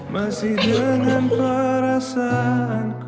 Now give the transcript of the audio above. masih dengan perasaanku